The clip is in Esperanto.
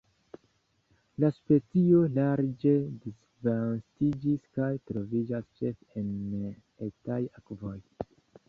La specio larĝe disvastiĝis kaj troviĝas ĉefe en etaj akvoj.